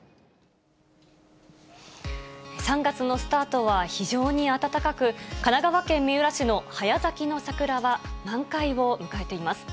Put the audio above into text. ３月のスタートは非常に暖かく、神奈川県三浦市の早咲きの桜は満開を迎えています。